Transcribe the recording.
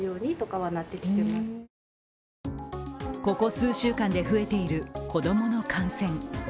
ここ数週間で増えている子供の感染。